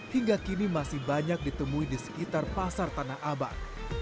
hingga kini masih banyak ditemui di sekitar pasar tanah abang